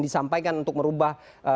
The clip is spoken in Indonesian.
disampaikan untuk merubah